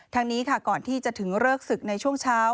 นี้ค่ะก่อนที่จะถึงเลิกศึกในช่วงเช้า